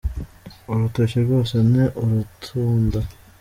Urutoki rwose ni urutunda